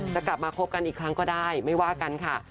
จะกลับมาคบกันอีกครั้งก็ได้ไม่ว่ากันค่ะ